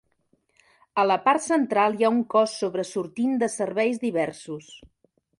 A la part central hi ha un cos sobresortint de serveis diversos.